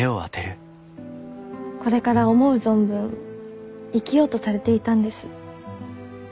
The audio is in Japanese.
これから思う存分生きようとされていたんです。